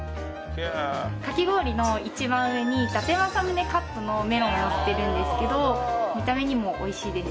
かき氷の一番上に伊達政宗カットのメロンをのせてるんですけど見た目にも美味しいです。